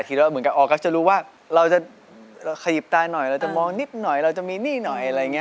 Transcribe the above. เหมือนกับออกักษ์จะรู้ว่าเราจะขยิบตาหน่อยเราจะมองนิดหน่อยเราจะมีหนี้หน่อยอะไรอย่างนี้